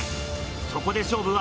そこで勝負は。